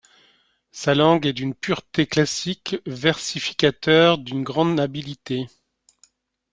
Sa langue et d'une pureté classique, versificateur d'une grande habileté.